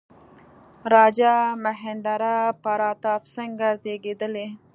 راجا مهیندرا پراتاپ سینګه زېږېدلی.